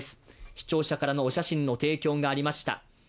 視聴者からのお写真の提供がありました。